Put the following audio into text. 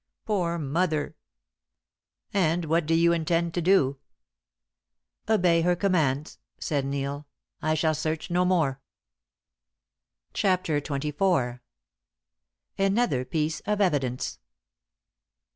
Poor mother!" "And what do you intend to do?" "Obey her commands," said Neil. "I shall search no more." CHAPTER XXIV. ANOTHER PIECE OF EVIDENCE.